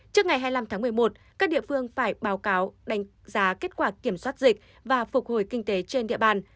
trước ngày hai mươi năm tháng một mươi một các địa phương phải báo cáo đánh giá kết quả kiểm soát dịch và phục hồi kinh tế trên địa bàn